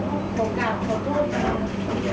บุธยุทธศาสตร์ทุกคนค่ะ